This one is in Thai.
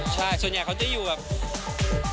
ใช่ส่วนใหญ่เขาจะอยู่แบบ